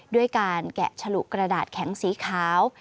ด้วยการแกะฉลุกระดาษแข็งสีขาว